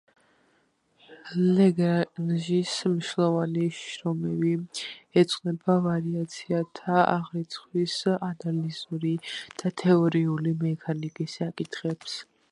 ლაგრანჟის მნიშვნელოვანი შრომები ეძღვნება ვარიაციათა აღრიცხვის, ანალიზური და თეორიული მექანიკის საკითხებს.